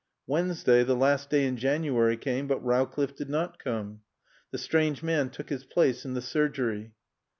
Wednesday, the last day in January, came, but Rowcliffe did not come. The strange man took his place in the surgery.